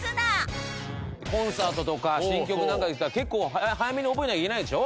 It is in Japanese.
コンサートとか新曲なんかできたら結構早めに覚えなきゃいけないんでしょ？